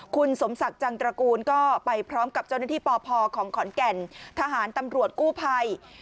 คุณสมศักดิ์จังตระกูลก็ไปพร้อมกับเจ้าหน้าที่ปพของขอนแก่นทหารตำรวจกู้ภัย